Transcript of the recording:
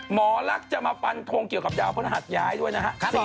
หมอรักจะมาปันทรงเกี่ยวกับเดี๋ยวอาวุธรหัสย้ายด้วยนะครับ